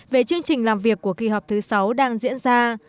về chương trình làm việc của kỳ họp thứ sáu đang diễn ra